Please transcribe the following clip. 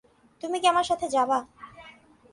তুমি কি আমার সাথে যাবা?